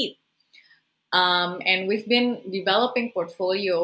dan kami telah membangun portfolio